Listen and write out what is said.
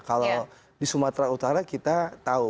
kalau di sumatera utara kita tahu